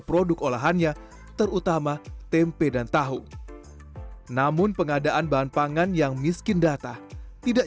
produk olahannya terutama tempe dan tahu namun pengadaan bahan pangan yang miskin data tidak